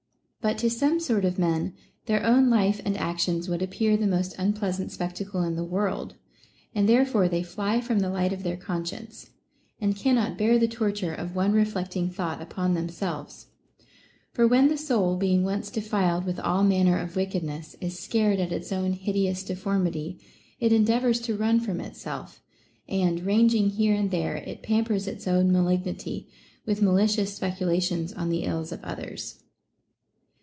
3. But to some sort of men their own life and actions would appear the most unpleasant spectacle in the world, and therefore they fly from the light of their conscience, and cannot bear the torture of one reflecting thought upon themselves ; for when the soul, being once defiled with all manner of wickedness, is scared at its own hideous defor mity, it endeavors to run from itself, and ranging here and there, it pampers its own malignity with malicious specu lations on the ills of others.